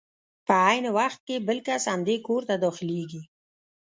په عین وخت کې بل کس همدې کور ته داخلېږي.